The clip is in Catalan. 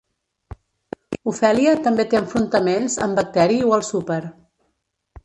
Ofèlia també té enfrontaments amb Bacteri o el Súper.